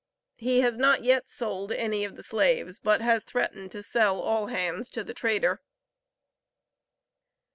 He has not yet sold any of the slaves, but has threatened to sell all hands to the trader."